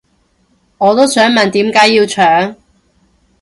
我都想問點解要搶